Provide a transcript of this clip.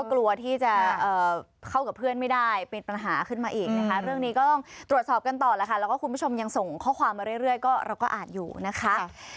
กลัวที่จะเข้ากับเพื่อนไม่ได้เป็นปัญหาขึ้นมาอีกนะคะเรื่องนี้ก็ต้องตรวจสอบกันต่อแล้วค่ะแล้วก็คุณผู้ชมยังส่งข้อความมาเรื่อยก็เราก็อาจอยู่นะคะ